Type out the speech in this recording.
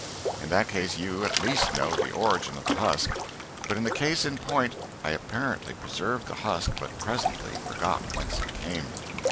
In that case you at least know the origin of the husk, but in the case in point I apparently preserved the husk but presently forgot whence it came.